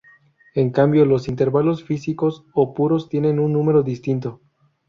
En cambio los intervalos físicos o puros tienen un número distinto.